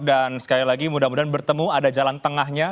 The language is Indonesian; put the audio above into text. dan sekali lagi mudah mudahan bertemu ada jalan tengahnya